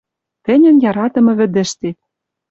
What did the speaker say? Тӹньӹн яратымы вӹдӹштет.